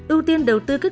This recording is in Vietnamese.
ưu tiên đầu tư các